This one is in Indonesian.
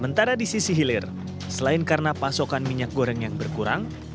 sementara di sisi hilir selain karena pasokan minyak goreng yang berkurang